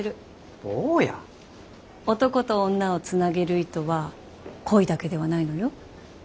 男と女をつなげる糸は恋だけではないのよ。